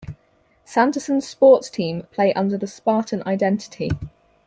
Sanderson's sports team play under the Spartan identity.